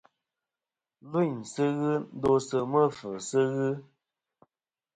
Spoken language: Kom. Lvɨyn sɨ ghɨ ndosɨ mɨ̂fvɨsɨ ghɨ.